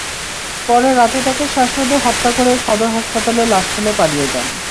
পরে রাতে তাঁকে শ্বাসরোধে হত্যা করে সদর হাসপাতালে লাশ ফেলে পালিয়ে যান।